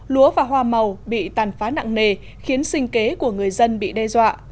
lúa và hoa màu bị tàn phá nặng nề khiến sinh kế của người dân bị đe dọa